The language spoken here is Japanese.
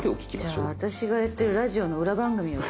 じゃあ私がやってるラジオの裏番組を。